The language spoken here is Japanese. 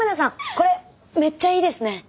これめっちゃいいですね！